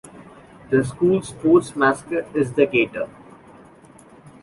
The school sports mascot is the Gator.